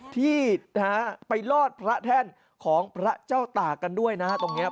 ที่ไปรอดพระแท่นของพระเจ้าตากันด้วยนะครับ